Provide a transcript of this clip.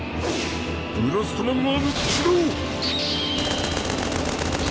ブラストマンアーム起動！